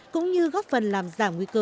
cũng như góp phần làm giảm nguy cơ